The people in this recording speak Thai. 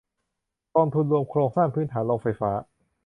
กองทุนรวมโครงสร้างพื้นฐานโรงไฟฟ้า